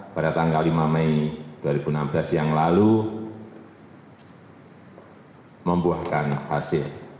pada tanggal lima mei dua ribu enam belas yang lalu membuahkan hasil